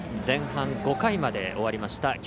前半５回まで終わりました。